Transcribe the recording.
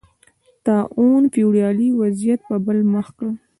طاعون فیوډالي وضعیت په بل مخ کړ.